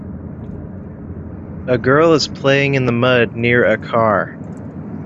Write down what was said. A girl is playing in the mud near a car.